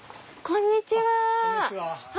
こんにちは。